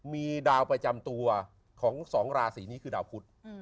มีดาวประจำตัวของ๒ราศีนี้คือดาวพุทธ